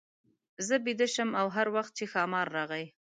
زه بېده شم او هر وخت چې ښامار راغی.